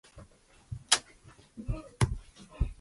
And it worked.